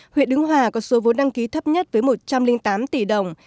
huyện đứng hòa có số vốn đăng ký thấp nhất với một trăm linh tám tỷ đồng